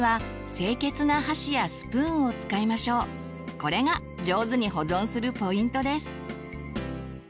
これが上手に保存するポイントです。